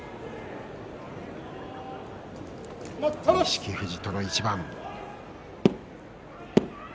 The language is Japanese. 錦富士との一番。